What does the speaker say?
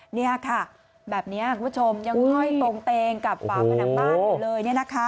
เนี่ยค่ะแบบนี้คุณผู้ชมยังก่อนเต็มกับฝ่าผนังบ้านอยู่เลย